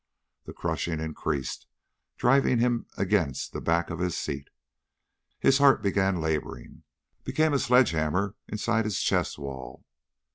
The crushing increased, driving him against the back of his seat. His heart began laboring ... became a sledge hammer inside his chest wall.